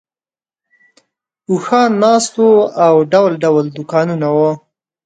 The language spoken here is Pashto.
اوښان ناست وو او ډول ډول دوکانونه وو.